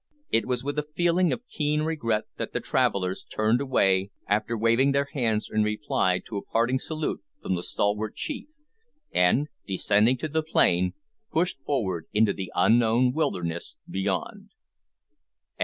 It was with a feeling of keen regret that the travellers turned away, after waving their hands in reply to a parting salute from the stalwart chief, and, descending to the plain, pushed forward into the unknown wilderness beyond.